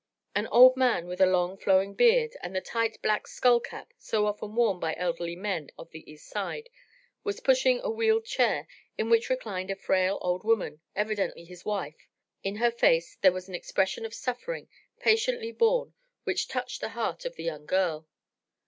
An old man with a long flowing beard and the tight black skull cap so often worn by elderly men of the East Side was pushing a wheeled chair in which reclined a frail old woman, evidently his wife. In her face there was an expression of suffering patiently borne which touched the heart of the young girl.